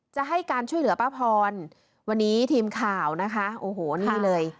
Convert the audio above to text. จะให้การช่วยเหลือป้าพรวันนี้ทีมข่าวนะคะโอ้โหนี่เลย